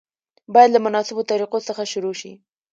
باید له مناسبو طریقو څخه شروع شي.